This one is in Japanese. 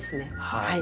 はい。